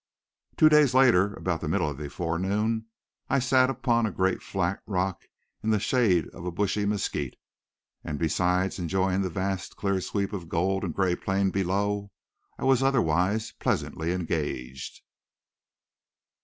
Two days later, about the middle of the forenoon, I sat upon a great flat rock in the shade of a bushy mesquite, and, besides enjoying the vast, clear sweep of gold and gray plain below, I was otherwise pleasantly engaged.